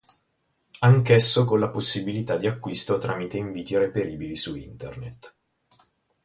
Anch'esso con la possibilità di acquisto tramite inviti reperibili su Internet.